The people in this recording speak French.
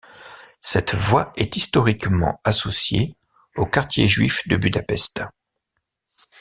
Cette voie est historiquement associée au quartier juif de Budapest.